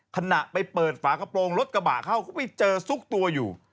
ขณะไปเปิดฝากระโปรงรถกระบะเข้าเขาไปเจอซุกตัวอยู่